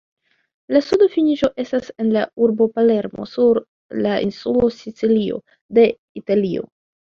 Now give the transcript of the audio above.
La suda finiĝo estas en la urbo Palermo sur la insulo Sicilio de Italio.